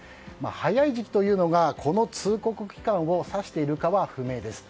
早い時期というのがこの通告期間を指しているかは不明です。